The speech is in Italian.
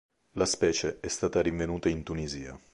La specie è stata rinvenuta in Tunisia.